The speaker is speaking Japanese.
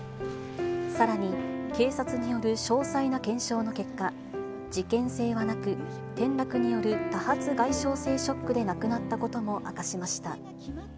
さらに、警察による詳細な検証の結果、事件性はなく、転落による多発外傷性ショックで亡くなったことも明かしました。